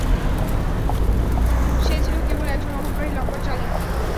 সে ছিল কেবল একজন অহংকারী, লম্পট জালিম।